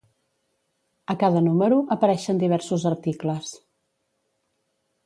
A cada número apareixen diversos articles.